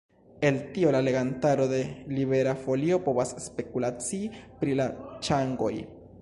El tio la legantaro de Libera Folio povas spekulacii pri la ŝangoj.